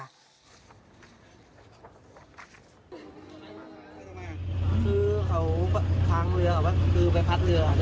คือเขาทางเรือคือไปพัดเรือ